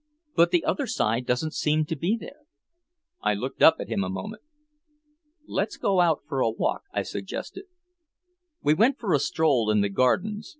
But the other side don't seem to be there." I looked up at him a moment. "Let's go out for a walk," I suggested. We went for a stroll in the Gardens.